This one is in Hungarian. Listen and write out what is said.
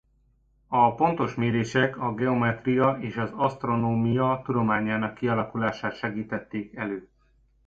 A pontos mérések a geometria és az asztronómia tudományának kialakulását segítették elő.